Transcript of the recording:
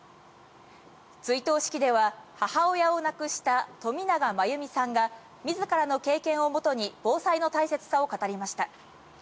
追悼式では、母親を亡くした富永真由美さんが、みずからの経験をもとに防災の大切さを語りました。